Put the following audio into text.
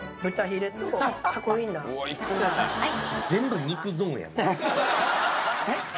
はい。